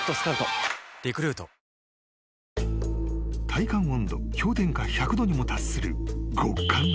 ［体感温度氷点下１００℃にも達する］